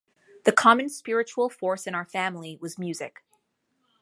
The common spiritual force in our family was music.